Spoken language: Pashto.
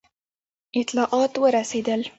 اطلاعات ورسېدل.